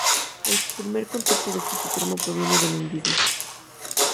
El primer concepto de ser supremo proviene del hinduismo.